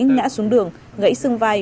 ngã xuống đường gãy xương vai